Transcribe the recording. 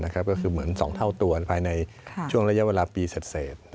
ก็คือเหมือน๒เท่าตัวภายในช่วงระยะเวลาปีเสร็จ